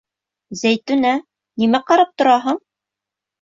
Зәйтүнә, нимә ҡарап тораһың?